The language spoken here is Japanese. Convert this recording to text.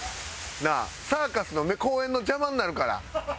サーカスの公演の邪魔になるから。